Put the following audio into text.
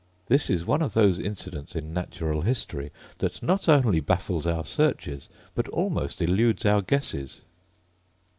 This is one of those incidents in natural history that not only baffles our searches, but almost eludes our guesses!